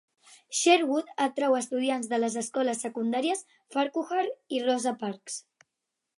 Sherwood atrau estudiants de les escoles secundàries Farquhar i Rosa Parks.